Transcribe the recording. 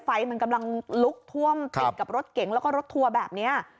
ไฟมันกำลังลุกท่วมติดกับรถเก๋งแล้วก็รถทัวร์แบบนี้